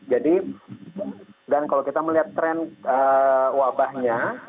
jadi dan kalau kita melihat tren wabahnya